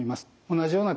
同じような